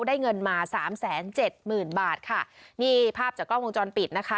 ได้เงินมา๓๗๐๐๐๐บาทค่ะนี่ภาพจากกล้องกลิ้วจอลปิดนะคะ